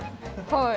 はい。